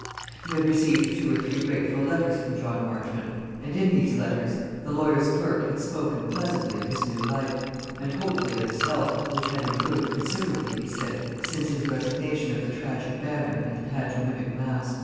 He had received two or three grateful letters from John Marchmont; and in these letters the lawyer's clerk had spoken pleasantly of his new life, and hopefully of his health, which had improved considerably, he said, since his resignation of the tragic banner and the pantomimic mask.